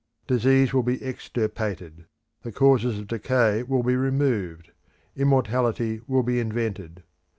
Disease will be extirpated; the causes of decay will be removed; immortality will be invented.